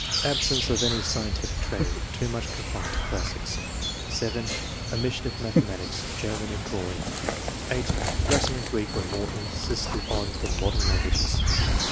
(6) "Absence of any scientific training; too much confined to classics/' (7) " Omission of mathematics, German, and drawing/' (8) "Latin and Greek were more insisted on than modern languages."